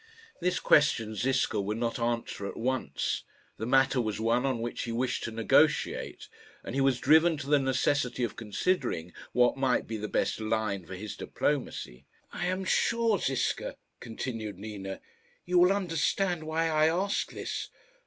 This question Ziska would not answer at once. The matter was one on which he wished to negotiate, and he was driven to the necessity of considering what might be the best line for his diplomacy. "I am sure, Ziska," continued Nina, "you will understand why I ask this.